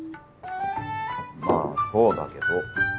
まあそうだけど。